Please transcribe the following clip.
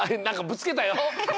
なんかぶつけたよ。